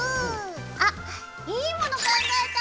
あっいいもの考えた！